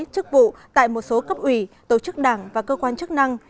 chức vụ tại một số cấp ủy tổ chức đảng và cơ quan chức năng